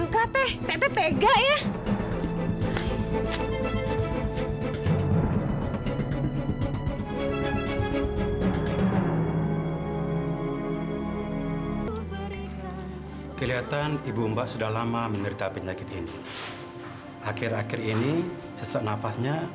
sampai jumpa di video selanjutnya